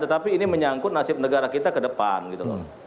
tetapi ini menyangkut nasib negara kita ke depan gitu loh